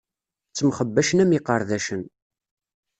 Ttemxebbacen am iqerdacen.